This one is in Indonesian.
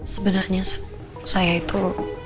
sebenarnya saya itu